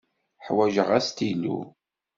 Ḥwaǧeɣ astilu.